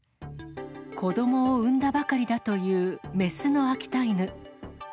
子どもを産んだばかりだという雌の秋田犬。